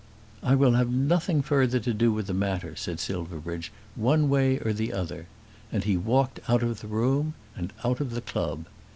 "I will have nothing further to do with the matter," said Silverbridge, "one way or the other," and he walked out of the room, and out of the club.